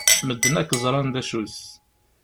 Medden akk ẓran d acu-t.